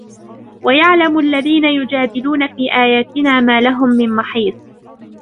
وَيَعْلَمَ الَّذِينَ يُجَادِلُونَ فِي آيَاتِنَا مَا لَهُمْ مِنْ مَحِيصٍ